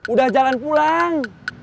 udah jalan pulang